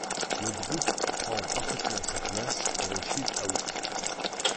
Le groupe prend parfaitement sa place dans le chill-out.